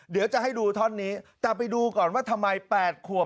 เดี๋ยวจะให้ดูท่อนนี้แต่ไปดูก่อนว่าทำไม๘ขวบ